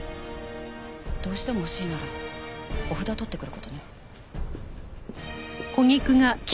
どうしても欲しいならお札を取ってくる事ね。